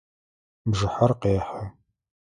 Бжыхьэр къехьэ.